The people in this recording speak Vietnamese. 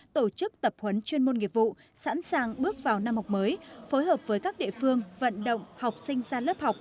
tổ chức tập huấn chuyên môn nghiệp vụ sẵn sàng bước vào năm học mới phối hợp với các địa phương vận động học sinh ra lớp học